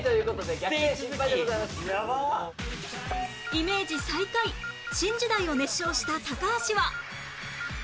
イメージ最下位『新時代』を熱唱した高橋は